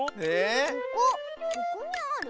ここにある？